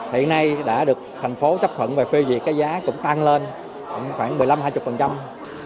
hiện nay đã được thành phố chấp thuận và phê duyệt cái giá cũng tăng lên khoảng một mươi năm hai mươi